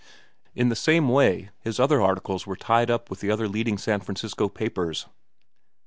In the same way his other articles were tied up with the other leading San Francisco papers.